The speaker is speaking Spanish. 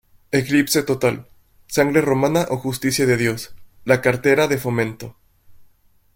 Eclipse total", "Sangre romana o justicia de Dios", "La cartera de Fomento".